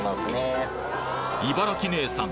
茨城姉さん